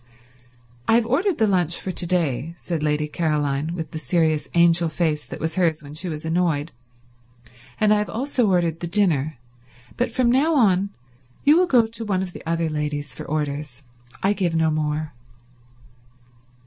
"I have ordered the lunch for to day," said Lady Caroline, with the serious angel face that was hers when she was annoyed, "and I have also ordered the dinner, but from now on you will go to one of the other ladies for orders. I give no more."